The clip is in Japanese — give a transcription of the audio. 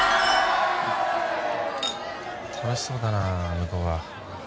楽しそうだなあ向こうは。